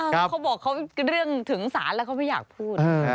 เขาบอกเรื่องถึงสารแล้วเขาไม่อยากพูด